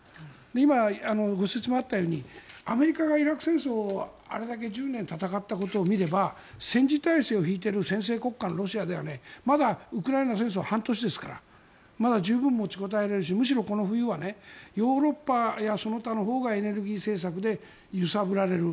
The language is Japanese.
今、ご説明があったようにアメリカがイラク戦争をあれだけ１０年戦ったことを見れば戦時体制を敷いている先制体制のロシアではまだウクライナ戦争は半年ですからまだ十分持ちこたえられるしむしろこの冬はヨーロッパとかその他のほうがエネルギー政策で揺さぶられる。